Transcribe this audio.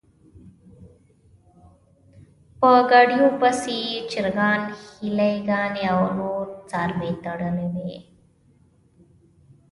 په ګاډیو پسې یې چرګان، هیلۍ ګانې او نور څاروي تړلي و.